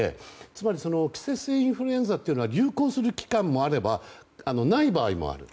つまり、季節性インフルエンザは流行する期間もあればない場合もある。